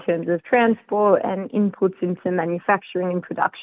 dalam hal transportasi dan input untuk pembinaan dan produksi